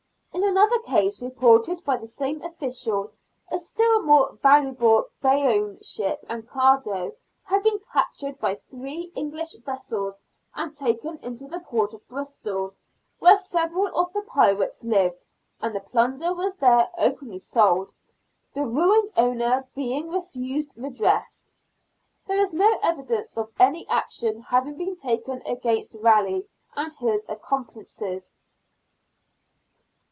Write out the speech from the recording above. In another case, reported by the same official, a still more valuable Bayonne ship and cargo had been captured by three English vessels, and taken into the port of Bristol, where several of the pirates lived, and the plunder was there openly sold, the ruined owner being refused redress. There is no evidence of any action having been taken against Raleigh and his accomplices.